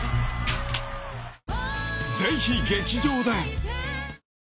［ぜひ劇場で］